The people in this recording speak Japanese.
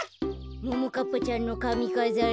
ももかっぱちゃんのかみかざり。